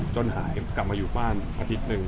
จนหายกลับมาอยู่บ้านอาทิตย์หนึ่ง